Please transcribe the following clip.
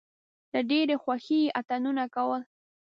له ډېرې خوښۍ یې اتڼونه کول.